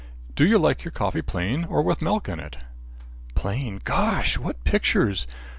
"Do you like your coffee plain or with milk in it?" "Plain. Gosh! what pictures!